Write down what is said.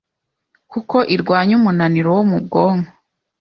kuko irwanya umunaniro wo mu bwonko,